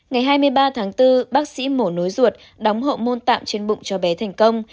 ngày hai mươi ba tháng bốn bác sĩ mổ nối ruột đóng hộ môn tạm trên bụng cho bé thành công